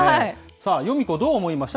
さあ、ヨミ子、どう思いました？